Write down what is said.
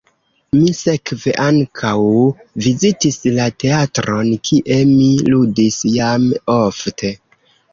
Mi sekve ankaŭ vizitis la teatron, kie mi ludis jam ofte.